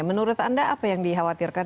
menurut anda apa yang dikhawatirkan